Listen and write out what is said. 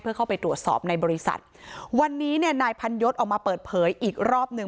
เพื่อเข้าไปตรวจสอบในบริษัทวันนี้เนี่ยนายพันยศออกมาเปิดเผยอีกรอบหนึ่ง